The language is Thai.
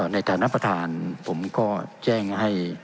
ในฐานะประธานผมก็แจ้งให้